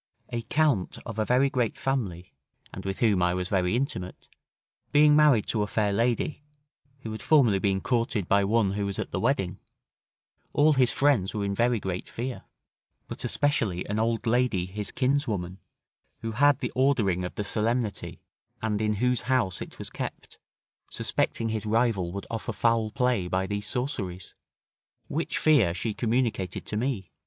A Count of a very great family, and with whom I was very intimate, being married to a fair lady, who had formerly been courted by one who was at the wedding, all his friends were in very great fear; but especially an old lady his kinswoman, who had the ordering of the solemnity, and in whose house it was kept, suspecting his rival would offer foul play by these sorceries. Which fear she communicated to me.